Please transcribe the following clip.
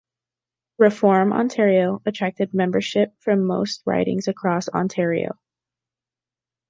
Reform Ontario attracted membership from most ridings across Ontario.